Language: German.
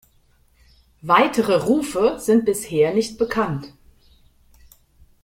Weitere Rufe sind bisher nicht bekannt.